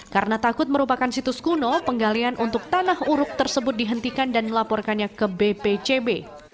karena takut merupakan situs kuno penggalian untuk tanah uruk tersebut dihentikan dan melaporkannya ke bpcb